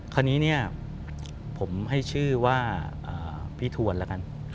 คราวนี้เนี่ยผมให้ชื่อว่าพี่ทวนแล้วกัน